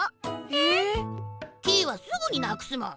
えっ！？キイはすぐになくすもん！